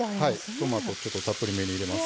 トマトちょっとたっぷりめに入れます。